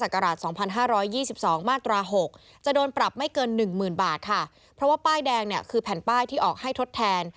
ก็ต้องการกันป้ายที่ออกให้ทดแทน